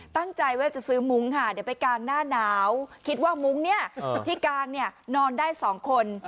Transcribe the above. ตั้งใจว่าจะซื้อมุ้งค่ะเดี๋ยวไปกางหน้าหนาวคิดว่ามุ้งเนี่ยที่กางเนี่ยนอนได้๒คน